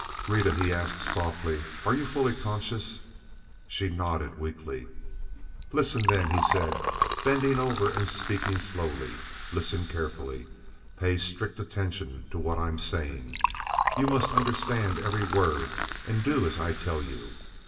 "Rita," he asked, softly, "are you fully conscious?" She nodded weakly. "Listen, then," he said, bending over and speaking slowly. "Listen carefully. Pay strict attention to what I'm saying. You must understand every word, and do as I tell you.